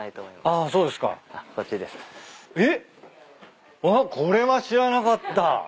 あっこれは知らなかった。